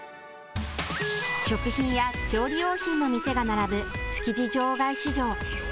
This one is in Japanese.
食品や調理用品の店が並ぶ築地場外市場。